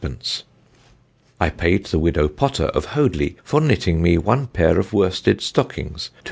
_ "I payed the Widow Potter of Hoadleigh for knitting mee one payr of worsted stockings 2_s.